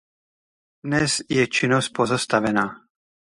Dnes je činnost pozastavena.